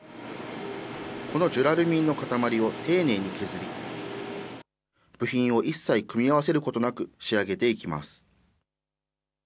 このジュラルミンの塊を丁寧に削り、部品を一切組み合わせることなく、仕上げていきます。